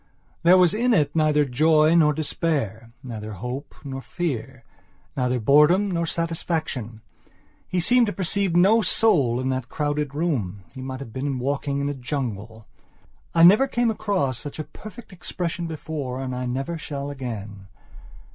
There was in it neither joy nor despair; neither hope nor fear; neither boredom nor satisfaction. He seemed to perceive no soul in that crowded room; he might have been walking in a jungle. I never came across such a perfect expression before and I never shall again.